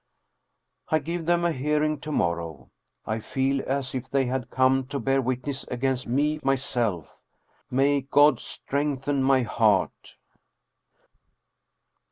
I give them a hearing to mor row. I feel as if they had come to bear witness against me myself. May God strengthen my heart.